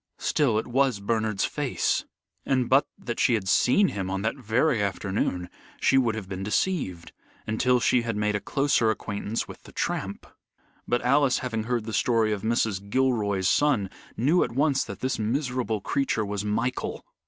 Still it was Bernard's face, and but that she had seen him on that very afternoon, she would have been deceived, until she had made a closer acquaintance with the tramp. But Alice, having heard the story of Mrs. Gilroy's son, knew at once that this miserable creature was Michael.